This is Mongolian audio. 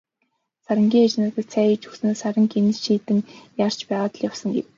Сарангийн ээж надад цай хийж өгснөө "Саран гэнэт шийдэн яарч байгаад л явсан" гэв.